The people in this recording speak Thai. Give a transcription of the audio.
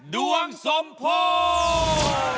ดวงสมภง